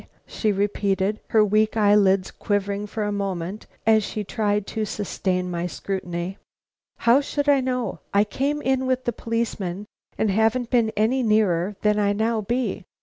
she repeated, her weak eyelids quivering for a moment as she tried to sustain my scrutiny. "How should I know? I came in with the policeman and haven't been any nearer than I now be.